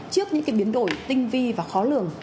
trước những biến đổi tinh vi và khó lường